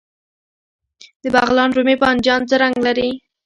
د بغلان رومي بانجان څه رنګ لري؟